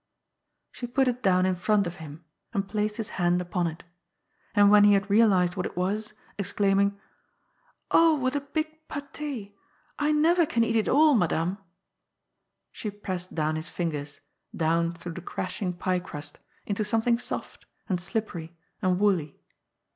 She put it down in front of him, and placed his hand upon it. And when he had realized what it was, exclaim ing, " Oh, what a big^^^^. I never can eat it all, madame !" she pressed down his fingers, down through the crashing pie crust, into something soft, and slippery, and woolly.